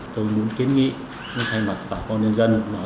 tôi muốn kiến nghị thay mặt bà con nhân dân